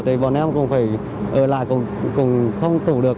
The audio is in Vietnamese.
thì bọn em cũng phải ở lại cũng không phụ được